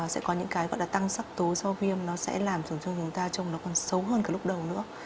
sẽ có những cái gọi là tăng sắc tố do viêm nó sẽ làm cho chúng ta trông nó còn xấu hơn cả lúc đầu nữa